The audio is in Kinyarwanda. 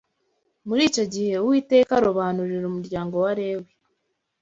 Muri icyo gihe Uwiteka arobanurira umuryango wa Lewi